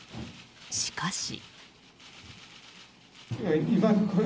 しかし。